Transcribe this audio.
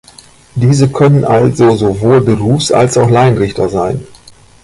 Diese können also sowohl Berufs- als auch Laienrichter sein.